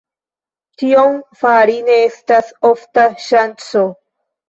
Tion fari ne estas ofta ŝanco.